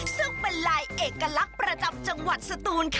ซึ่งเป็นลายเอกลักษณ์ประจำจังหวัดสตูนค่ะ